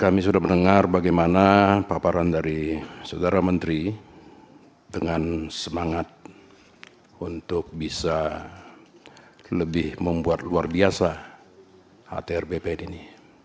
kami sudah mendengar bagaimana paparan dari saudara menteri dengan semangat untuk bisa lebih membuat luar biasa atr bpn ini